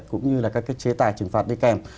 cũng như là các cái chế tài xử phạt đi kèm